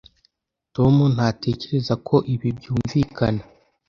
tom ntatekereza ko ibi byumvikana